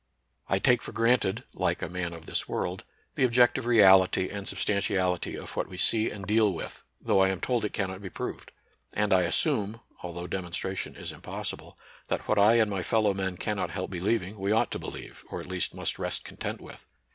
I take for granted, "like a man of this world," the objective reality and substantiality of what we see and deal with, though I am told it cannot be proved ; and I assume, — although demonstration is impossible, — that what I and my fellow men cannot help believing we ought to believe, or at least must rest content with.